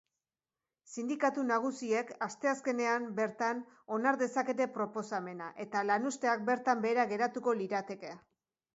Sindikatu nagusiek asteazkenean bertan onar dezakete proposamena eta lanuzteak bertan behera geratuko lirateke.